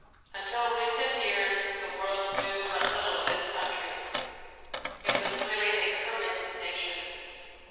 Until recent years the world knew but little of this country. It was really a "Hermit Nation."